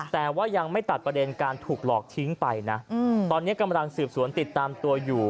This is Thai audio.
แต่ว่ายังไม่ตัดประเด็นการถูกหลอกทิ้งไปนะตอนนี้กำลังสืบสวนติดตามตัวอยู่